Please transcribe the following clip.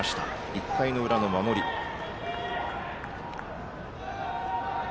１回の裏の守りです。